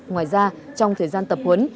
ngoài ra trong thời gian tập huấn